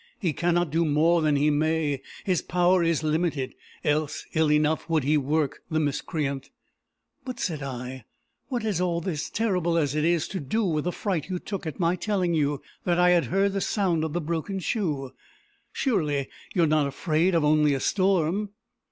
He cannot do more than he may. His power is limited; else ill enough would he work, the miscreant." "But," said I, "what has all this, terrible as it is, to do with the fright you took at my telling you that I had heard the sound of the broken shoe? Surely you are not afraid of only a storm?"